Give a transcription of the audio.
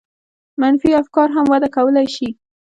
منفي افکار هم وده کولای شي.